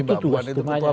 itu tugas utamanya